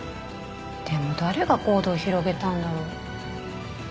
でも誰がＣＯＤＥを広げたんだろう。